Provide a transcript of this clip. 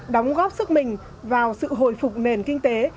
đóng góp sức mình vào sự hồi phục nền kinh tế